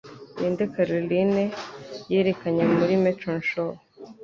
Ninde Caroline yerekanye Muri Merton Show